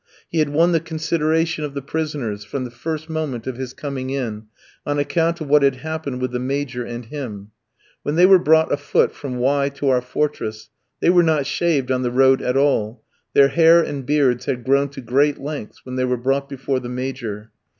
He had won the consideration of the prisoners, from the first moment of his coming in, on account of what had happened with the Major and him. When they were brought afoot from Y gorsk to our fortress, they were not shaved on the road at all, their hair and beards had grown to great lengths when they were brought before the Major.